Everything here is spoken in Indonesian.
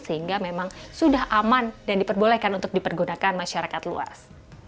sehingga memang sudah aman dan diperbolehkan untuk dipergunakan masyarakat luas